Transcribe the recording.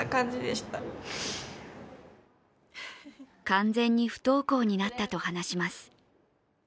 完全に不登校になったと話します。